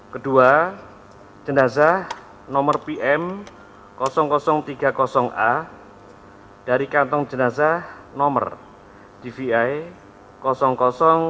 kedua jenazah nomor pm tiga puluh a dari kantong jenazah nomor dvi